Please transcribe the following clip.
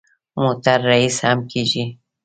موټر ریس هم کېږي.